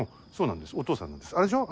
そうなんですお父さんなんですあれ